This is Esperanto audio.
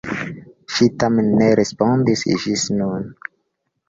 Ŝi tamen ne respondis ĝis nun.